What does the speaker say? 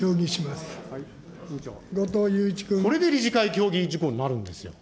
これで理事会協議事項になるんですよ。